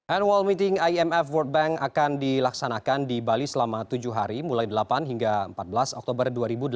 annual meeting imf world bank akan dilaksanakan di bali selama tujuh hari mulai delapan hingga empat belas oktober dua ribu delapan belas